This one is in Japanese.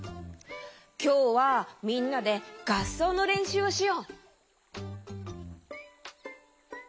きょうはみんなでがっそうのれんしゅうをしよう。